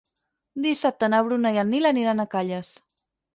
Dissabte na Bruna i en Nil aniran a Calles.